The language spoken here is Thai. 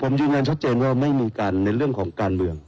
ผมยืนยันชัดเจนว่าไม่มีการในเรื่องของการเมือง